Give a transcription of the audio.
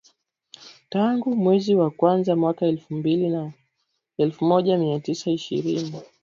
tangu mwezi wa kwanza mwaka elfu moja mia tisa ishirini